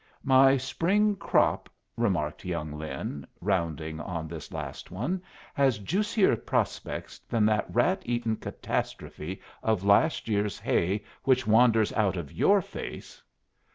"My spring crop," remarked young Lin, rounding on this last one, "has juicier prospects than that rat eaten catastrophe of last year's hay which wanders out of your face."